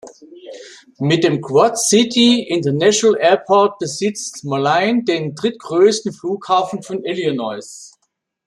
Mit dem Quad City International Airport besitzt Moline den drittgrößten Flughafen von Illinois.